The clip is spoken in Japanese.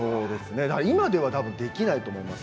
今ではできないと思います。